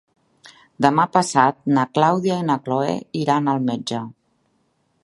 Demà passat na Clàudia i na Cloè iran al metge.